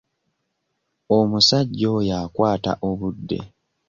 Omusajja oya akwata obudde.